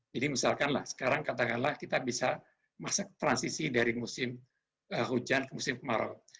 jadi misalkanlah sekarang katakanlah kita bisa masuk transisi dari musim hujan ke musim kemarau